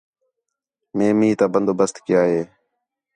مے مینہ تا بندوبست کیا ہِے